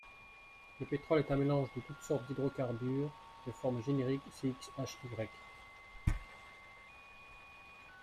Le pétrole est un mélange de toutes sortes d'hydrocarbures, de formule générique CxHy.